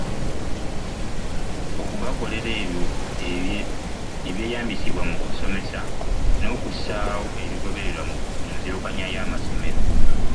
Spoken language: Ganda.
Okugakolera ebyo eby’eyambisibwa mu kusomesa n’okussaawo ebigobererwa mu nzirukanya y’amasomero.